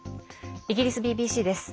イギリスＢＢＣです。